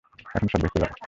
এখন সব ভেস্তে যাবে।